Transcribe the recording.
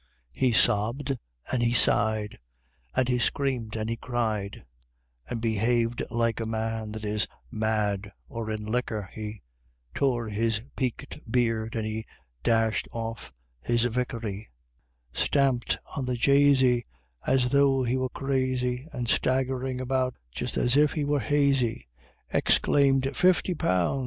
He sobbed and he sighed, And he screamed, and he cried, And behaved like a man that is mad or in liquor he Tore his peaked beard, and he dashed off his "Vicary," Stamped on the jasey As though he were crazy, And staggering about just as if he were "hazy," Exclaimed, "Fifty pounds!"